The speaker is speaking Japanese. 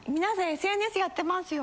ＳＮＳやってますよ。